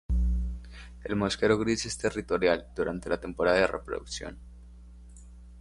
El mosquero gris es territorial durante la temporada de reproducción.